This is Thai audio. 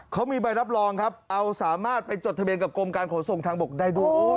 เขามีใบรับรองครับเอาสามารถไปจดทะเบียนกับกรมการขนส่งทางบกได้ด้วย